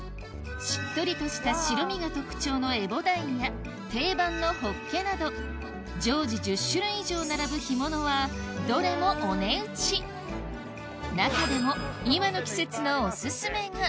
しっとりとした白身が特徴のえぼ鯛や定番のホッケなど常時１０種類以上並ぶ干物はどれもお値打ち中でもさばね。